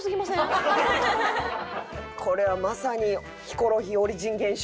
これはまさにヒコロヒーオリジン現象。